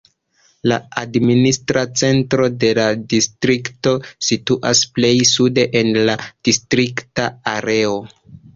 La administra centro de la distrikto situas plej sude en la distrikta areo.